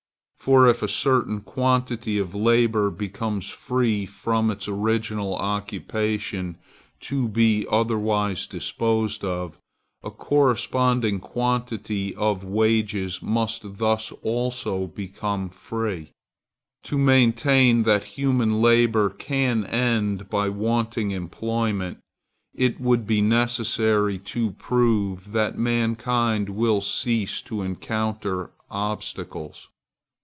For if a certain quantity of labor becomes free from its original occupation, to be otherwise disposed of, a corresponding quantity of wages must thus also become free. To maintain that human labor can end by wanting employment, it would be necessary to prove that mankind will cease to encounter obstacles.